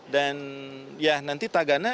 dan ya nanti tagana